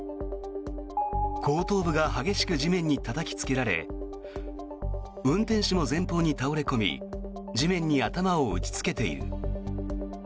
後頭部が激しく地面にたたきつけられ運転手も前方に倒れ込み地面に頭を打ちつけている。